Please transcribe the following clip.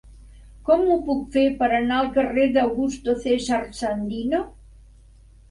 Com ho puc fer per anar al carrer d'Augusto César Sandino?